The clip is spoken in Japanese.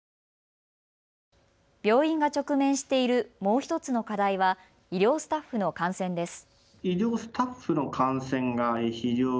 病院が直面しているもう１つの課題は医療スタッフの感染です。